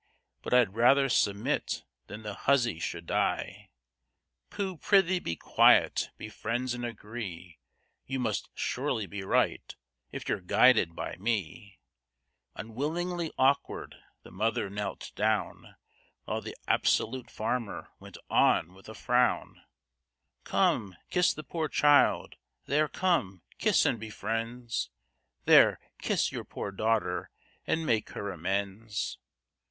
But I'd rather submit than the huzzy should die;" "Pooh, prithee be quiet, be friends and agree, You must surely be right, if you're guided by me." Unwillingly awkward, the mother knelt down, While the absolute farmer went on with a frown, "Come, kiss the poor child, there come, kiss and be friends! There, kiss your poor daughter, and make her amends."